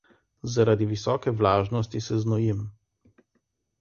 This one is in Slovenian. Zaradi visoke vlažnosti se znojim.